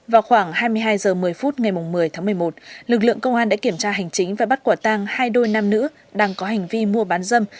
vào khoảng hai mươi hai h một mươi phút ngày một mươi tháng một mươi một lực lượng công an đã kiểm tra hành chính và bắt quả tang hai đôi nam nữ đang có hành vi mua bán dâm